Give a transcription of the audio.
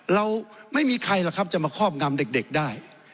เราไม่มีใครหรอกครับจะมาครอบงำเด็กได้